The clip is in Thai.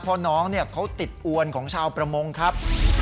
เพราะน้องเขาติดอวนของชาวประมงครับ